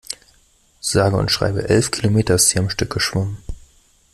Sage und schreibe elf Kilometer ist sie am Stück geschwommen.